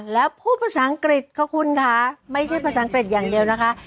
แล้วพูดภาษาอังกฤษขอบคุณค่ะไม่ใช่ภาษาอังกฤษอย่างเดียวนะคะ